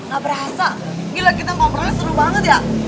gak berasa gila kita ngobrolnya seru banget ya